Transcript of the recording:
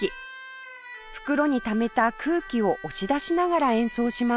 袋にためた空気を押し出しながら演奏します